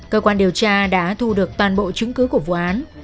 cơ quan điều tra đã thu được toàn bộ chứng cứ của vụ án